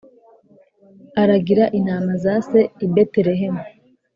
aragira intama za se i Betelehemu